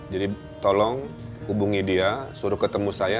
jadi tolong hubungi dia suruh ketemu saya